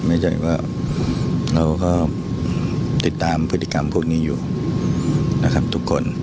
ไม่ใช่ว่าเราก็ติดตามพฤติกรรมพวกนี้อยู่นะครับทุกคน